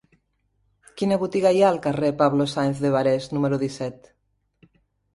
Quina botiga hi ha al carrer de Pablo Sáenz de Barés número disset?